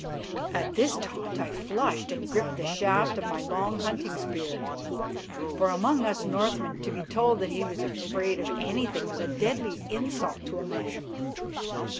At this taunt I flushed and gripped the shaft of my long hunting spear, for among us Northmen to be told that he was afraid of anything was a deadly insult to a man.